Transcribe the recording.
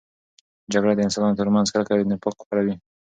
جګړه د انسانانو ترمنځ کرکه او نفاق خپروي.